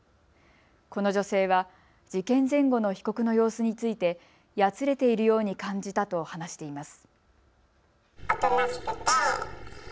この女性は事件前後の被告の様子についてやつれているように感じたと話しています。